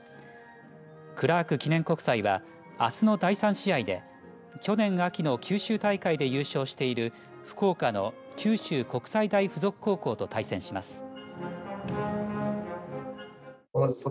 クラーク記念国際はあすの第３試合で去年秋の九州大会で優勝している福岡の九州国際大付属高校と対戦します。